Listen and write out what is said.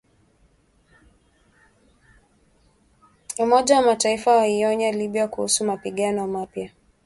Umoja wa Mataifa waionya Libya kuhusu mapigano mapya.